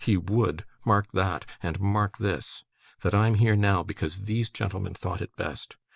He would mark that; and mark this that I'm here now, because these gentlemen thought it best.